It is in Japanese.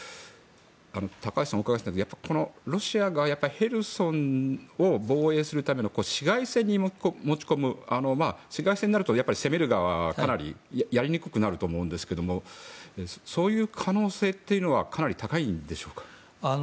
高橋さん、お伺いしたいのはロシアがヘルソンを防衛するための市街戦に持ち込む市街戦になると攻める側はやりにくくなると思うんですけどそういう可能性はかなり高いんでしょうか。